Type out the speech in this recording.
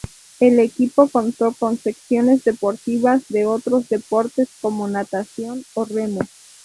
El equipo contó con secciones deportivas de otros deportes, como natación o remo.